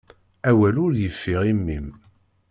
Awal ur yeffiɣ imi-m.